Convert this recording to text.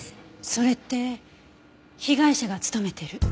それって被害者が勤めてる。